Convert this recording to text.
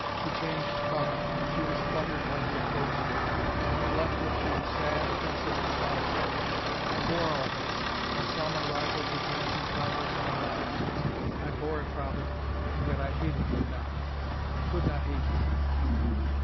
She changed colour, she was fluttered when he approached her; and when he left her, she was sad, pensive, and solitary. I bore all this I saw my rival's advancing progress in her affections I bore it, father, and yet I hated him not I could not hate him!"